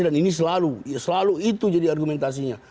dan ini selalu itu jadi argumentasinya